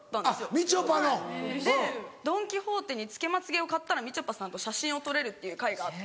みちょぱの。でドン・キホーテにつけまつげを買ったらみちょぱさんと写真を撮れるっていう会があって。